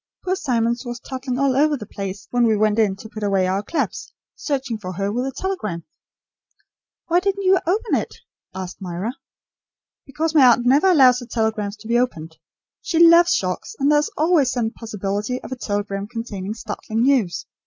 Poor Simmons was toddling all over the place when we went in to put away our clubs, searching for her with a telegram." "Why didn't you open it?" asked Myra. "Because my aunt never allows her telegrams to be opened. She loves shocks; and there is always the possibility of a telegram containing startling news.